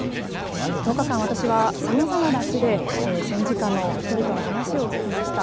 １０日間私はさまざまな地で戦時下の人々の話を聞きました。